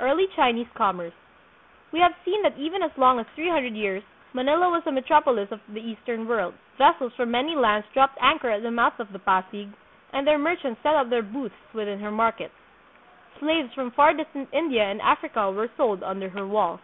Early Chinese Commerce. We have seen that even as long ago as three hundred years Manila was a metropolis of the Eastern world. Ves sels from many lands dropped anchor at the mouth of the Pasig, and their merchants set up their booths within her markets. Slaves from far distant India and Africa were sold under her walls.